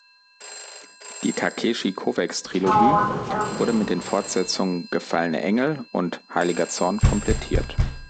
Die Takeshi-Kovacs-Trilogie wurde mit den Fortsetzungen "Gefallene Engel" und "Heiliger Zorn" komplettiert.